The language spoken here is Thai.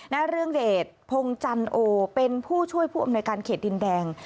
เรืองเดชพงจันโอเป็นผู้ช่วยผู้อำนวยการเขตดินแดง